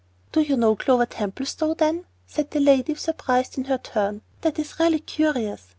"Do you know Clover Templestowe, then?" said the lady, surprised in her turn. "That is really curious.